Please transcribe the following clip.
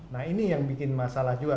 nah ini yang bikin masalah juga